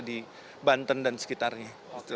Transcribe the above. di banten dan sekitarnya